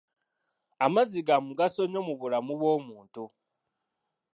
Amazzi ga mugaso nnyo mu bulamu bw'omuntu.